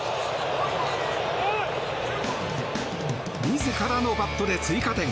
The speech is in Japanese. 自らのバットで追加点。